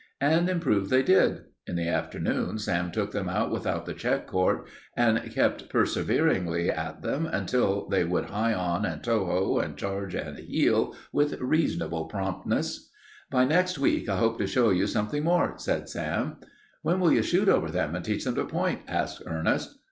And improve they did. In the afternoon Sam took them out without the check cord and kept perseveringly at them until they would "hie on" and "to ho" and "charge" and "heel" with reasonable promptness. "By next week I hope to show you something more," said Sam. "When will you shoot over them and teach them to point?" asked Ernest.